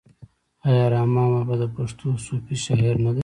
آیا رحمان بابا د پښتو صوفي شاعر نه دی؟